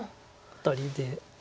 アタリで。